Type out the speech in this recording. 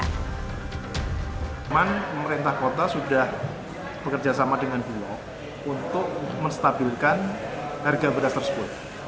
memang pemerintah kota sudah bekerja sama dengan bulog untuk menstabilkan harga beras tersebut